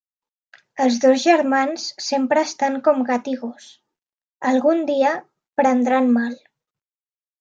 Els dos germans sempre estan com gat i gos. Algun dia prendran mal.